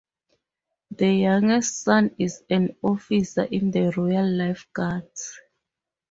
The youngest son is an officer in the Royal Life Guards.